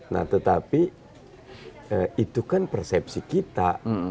nah tetapi itu kan persepsi kita